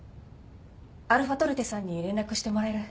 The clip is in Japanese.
αトルテさんに連絡してもらえる？